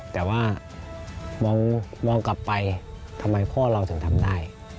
แต่ว่ามองกลับไปทำไมพ่อเราถึงทำได้